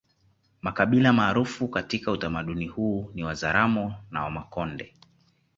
Makabila maarufu katika utamaduni huu ni Wazaramo na Wamakonde